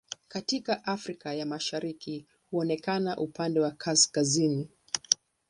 Katika Afrika ya Mashariki huonekana upande wa kaskazini.